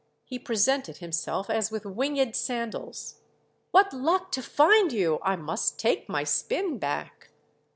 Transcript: He presented himself as with winged sandals. "What luck to find you! I must take my spin back."